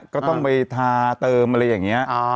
ก็ต้องไปทาเติมอะไรอย่างนี้